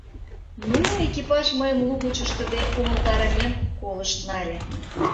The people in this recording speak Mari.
Ну, экипаж мыйым лугыч ыштыде умылтарымем колышт нале.